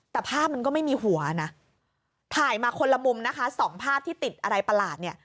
แต่ภาพมันก็ไม่มีหัวนะถ่ายมาคนละมุมนะคะสองภาพที่ติดอะไรประหลาดเนี่ย